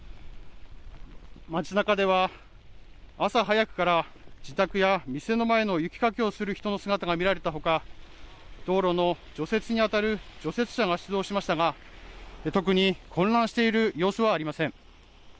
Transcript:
街なかでは朝早くから自宅や店の前の雪かきをする人の姿が見られたほか、道路の除雪にあたる除雪車が出動しましたが特に混乱している様子はありません。